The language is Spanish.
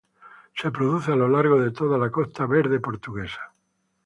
Se produce a lo largo de toda la Costa Verde portuguesa.